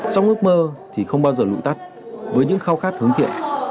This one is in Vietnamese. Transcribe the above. sống ước mơ thì không bao giờ lụng tắt với những khao khát hướng thiện